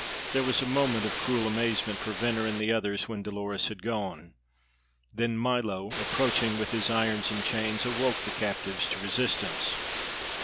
There was a moment of cruel amazement for Venner and the others when Dolores had gone; then Milo, approaching with his irons and chains, awoke the captives to resistance.